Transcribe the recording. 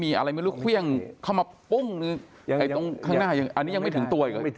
มีอะไรไม่รู้เครื่องเข้ามาปุ้งหนึ่งตรงข้างหน้าอันนี้ยังไม่ถึงตัวอีกเลย